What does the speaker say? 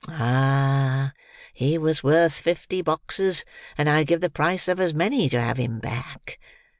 Ah! he was worth fifty boxes, and I'd give the price of as many to have him back.